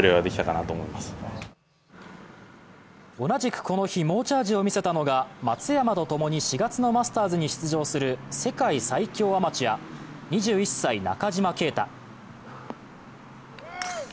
同じくこの日、猛チャージを見せたのが松山とともに４月のマスターズに出場する世界最強アマチュア、２１歳、中島啓太。